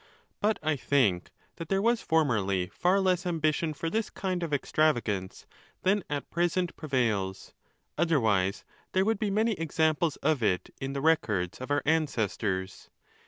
But I think that there was formerly far less ambition for this kind of extravagance than at present pre vails, otherwise there would be many examples of it in the records of our ancestors.